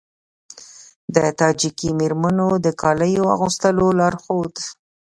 د تاجیکي میرمنو د کالیو اغوستلو لارښود